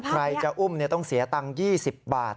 ใครจะอุ้มต้องเสียตังค์๒๐บาท